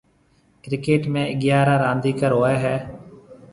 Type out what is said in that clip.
ڪرڪيٽ ۾ اگھيَََاريَ رانديڪر هوئي هيَ۔